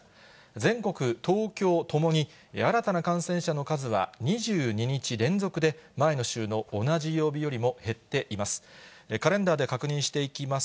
全国、東京ともに、新たな感染者の数は、２２日連続で前の週の同じ曜日よりも減っています。